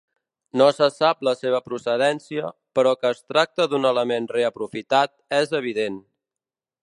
No se sap la seva procedència però que es tracta d’un element reaprofitat és evident.